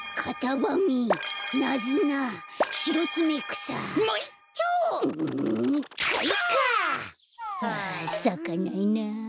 さかないな。